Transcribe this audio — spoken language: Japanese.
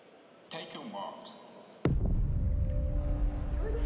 おいで！